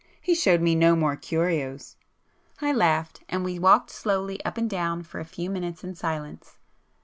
He showed me no more curios!" I laughed, and we walked slowly up and down for a few minutes in silence.